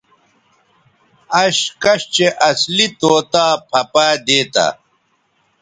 اش کش چہء اصلی طوطا پھہ پائ دیتہ